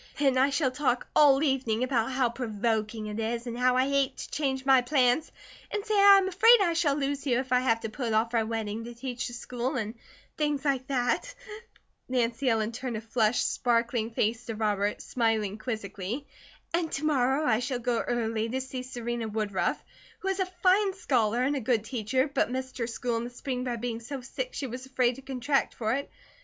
Then I shall talk all evening about how provoking it is, and how I hate to change my plans, and say I am afraid I shall lose you if I have to put off our wedding to teach the school, and things like that," Nancy Ellen turned a flushed sparkling face to Robert, smiling quizzically, "and to morrow I shall go early to see Serena Woodruff, who is a fine scholar and a good teacher, but missed her school in the spring by being so sick she was afraid to contract for it.